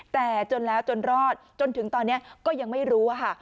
แต่จนแล้วจนรอดจนถึงตอนนี้ก็ยังไม่รู้ค่ะ